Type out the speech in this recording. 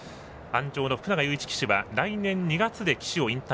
鞍上の福永祐一騎手は来年２月で騎手を引退。